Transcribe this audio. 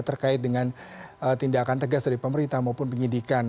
terkait dengan tindakan tegas dari pemerintah maupun penyidikan